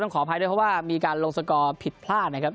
ขออภัยด้วยเพราะว่ามีการลงสกอร์ผิดพลาดนะครับ